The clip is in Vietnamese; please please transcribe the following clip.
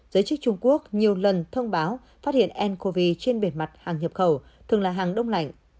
giới chức trung quốc nhiều lần thông báo phát hiện ncov trên bề mặt hàng nhập khẩu thường là hàng đông lạnh